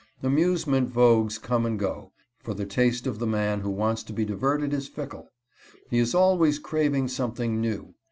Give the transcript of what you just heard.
Amusement vogues come and go, for the taste of the man who wants to be diverted is fickle. He is always craving something new.